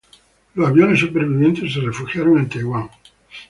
Los aviones supervivientes se refugiaron en Taiwán.